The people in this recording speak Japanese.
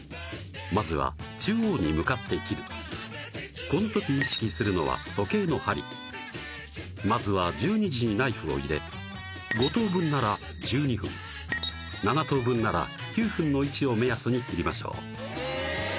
まずは中央に向かって切るこのとき意識するのは時計の針まずは１２時にナイフを入れ５等分なら１２分７等分なら９分の位置を目安に切りましょう